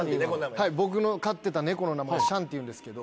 はい僕の飼ってた猫の名前シャンっていうんですけど。